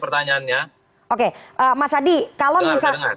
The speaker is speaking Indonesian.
terputus putus tadi pertanyaannya